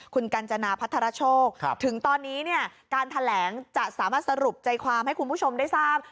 คุณกัญจนาพัทรโชคถึงตอนนี้เนี่ยการแถลงจะสามารถสรุปใจความให้คุณผู้ชมได้ทราบ